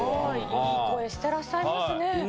いい声してらっしゃいますね。